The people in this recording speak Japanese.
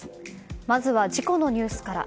まずは事故のニュースから。